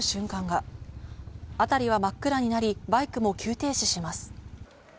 辺りは真っ暗になり、バイクも急停止します。